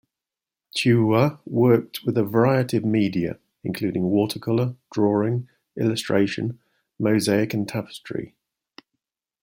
Ciuha worked with a variety of media, including watercolour, drawing, illustration, mosaic and tapestry.